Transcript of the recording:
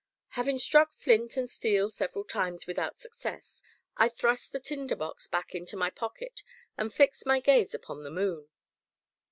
Having struck flint and steel several times without success, I thrust the tinder box back into my pocket and fixed my gaze upon the moon.